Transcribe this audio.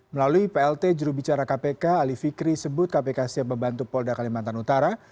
melalui plt jurubicara kpk ali fikri sebut kpk siap membantu polda kalimantan utara